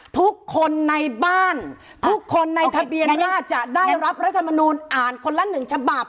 ทุกคนในบ้านทุกคนในทะเบียระดาษจะได้รับรัฐธรรมนูญอ่านคนละ๑ฉบับ